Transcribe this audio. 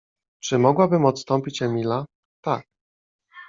Czy mogłabym odstąpić Emila? Tak.